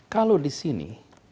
kalau di sini